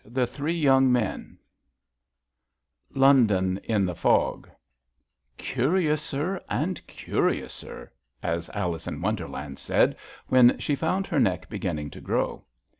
THE THREE YOUNG MEN LONDON IN THE FOG ^^/^UEIOUSEE and curiouser,'' as Alice in ^^ Wonderland said when she found her neck beginning to grow.